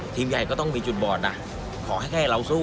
ทีมใหญ่ก็ต้องมีจุดบอดนะขอให้แค่เราสู้